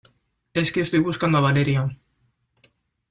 es que estoy buscando a Valeria.